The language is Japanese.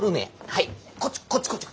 はいこっちこっちこっち。